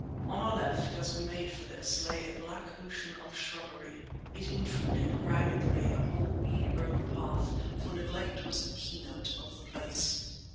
On our left, as we made for this, lay a black ocean of shrubbery. It intruded, raggedly, upon the weed grown path, for neglect was the keynote of the place.